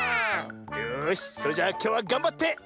よしそれじゃきょうはがんばってうるぞ！